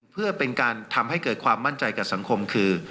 เพื่อเป็นการทำให้เกิดความมั่นใจกับสังคมคือ